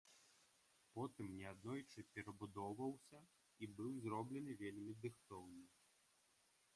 Потым неаднойчы перабудоўваўся і быў зроблены вельмі дыхтоўна.